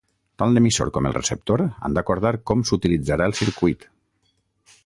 Tant l'emissor com el receptor han d'acordar com s'utilitzarà el circuit.